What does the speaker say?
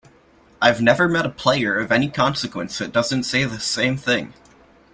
I've never met a player of any consequence that doesn't say the same thing.